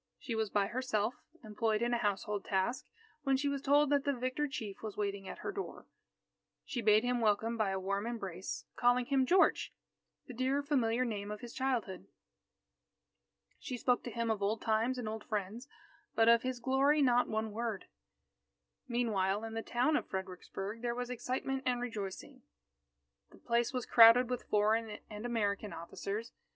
She was by herself, employed in a household task, when she was told that the victor chief was waiting at her door. She bade him welcome by a warm embrace, calling him "George," the dear familiar name of his childhood. She spoke to him of old times and old friends, but of his glory, not one word. Meanwhile, in the town of Fredericksburg there was excitement and rejoicing. The place was crowded with foreign and American officers.